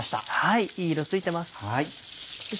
いい色ついてます。